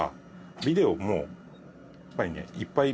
ビデオもやっぱりねいっぱい